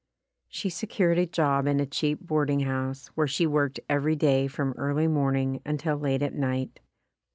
She secured a job in a cheap boarding house, where she worked every day from early morning until late at night.